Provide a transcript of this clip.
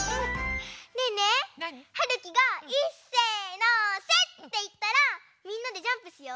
ねえねえはるきが「いっせのせ」っていったらみんなでジャンプしよ。